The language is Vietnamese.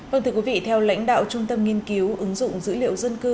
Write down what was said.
vâng thưa quý vị theo lãnh đạo trung tâm nghiên cứu ứng dụng dữ liệu dân cư